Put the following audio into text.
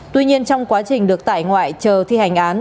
tuy nhiên trong quá trình được tải ngoại chờ thi hành án